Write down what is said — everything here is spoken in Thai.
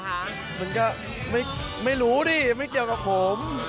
มันก็ไม่รู้ดิไม่เกี่ยวกับผม